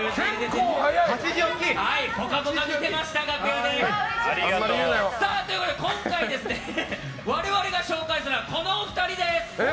「ぽかぽか」見てました、楽屋で。ということで今回、我々が紹介するのはどうも！